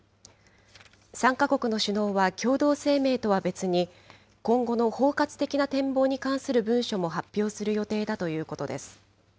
３か国の首脳は共同声明とは別に、今後の包括的な展望に関する文書も発表する予定だということです。